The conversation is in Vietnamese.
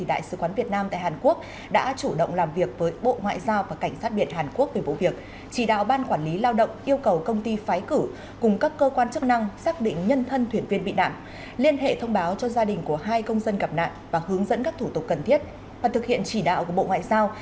đại sứ quán việt nam tại hàn quốc đã chủ động làm việc với bộ ngoại giao và cảnh sát biển hàn quốc về vụ việc chỉ đạo ban quản lý lao động yêu cầu công ty phái cử cùng các cơ quan chức năng xác định nhân thân thuyền viên bị nạn liên hệ thông báo cho gia đình của hai công dân gặp nạn và hướng dẫn các thủ tục cần thiết và thực hiện chỉ đạo của bộ ngoại giao